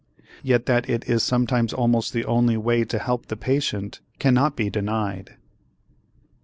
Yet that it is sometimes almost the only way to help the patient cannot be denied.